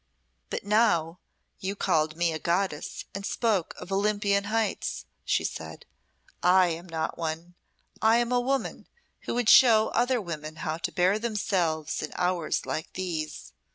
"But now, you called me a goddess and spoke of Olympian heights," she said; "I am not one I am a woman who would show other women how to bear themselves in hours like these.